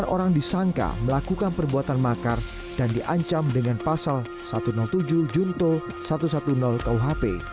sembilan orang disangka melakukan perbuatan makar dan diancam dengan pasal satu ratus tujuh junto satu ratus sepuluh kuhp